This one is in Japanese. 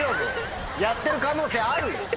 やってる可能性あるよ？